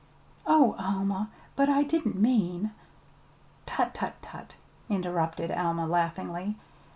"Oh, Alma, but I didn't mean " "Tut, tut, tut!" interrupted Alma laughingly.